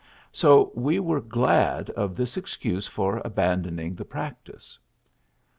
So we were glad of this excuse for abandoning the practice.